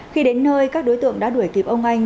khi đến nơi các đối tượng đã đuổi kịp ông anh